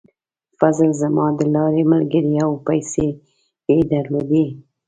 فضل زما د لارې ملګری و او پیسې یې درلودې.